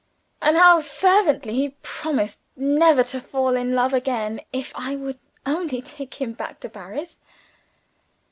and how fervently he promised never to fall in love again, if I would only take him back to Paris!